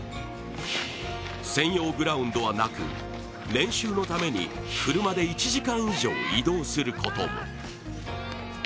専用グラウンドはなく、練習のために車で１時間以上移動することも。